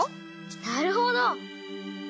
なるほど！